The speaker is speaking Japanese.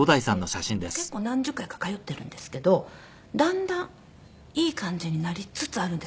もう結構何十回か通ってるんですけどだんだんいい感じになりつつあるんです。